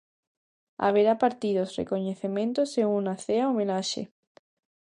Haberá partidos, recoñecementos e unha cea homenaxe.